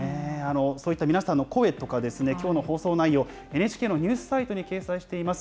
そういった皆さんの声とか、きょうの放送内容、ＮＨＫのニュースサイトに掲載しています